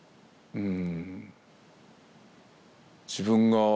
うん。